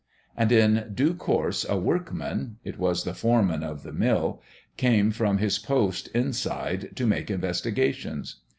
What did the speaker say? And in due course a workman it was the foreman of the mill came from his post inside to make investigations.